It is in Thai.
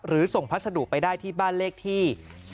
ส่งพัสดุไปได้ที่บ้านเลขที่